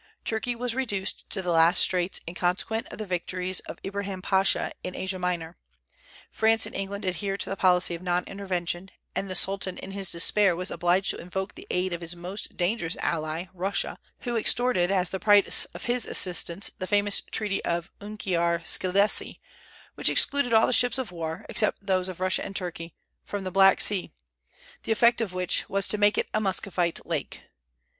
Turkey was reduced to the last straits in consequence of the victories of Ibrahim Pasha in Asia Minor; France and England adhered to the policy of non intervention, and the Sultan in his despair was obliged to invoke the aid of his most dangerous ally, Russia, who extorted as the price of his assistance the famous treaty of Unkiar Skelessi, which excluded all ships of war, except those of Russia and Turkey, from the Black Sea, the effect of which was to make it a Muscovite lake.